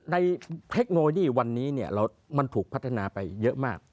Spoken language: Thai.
เทคโนโลยีวันนี้มันถูกพัฒนาไปเยอะมาก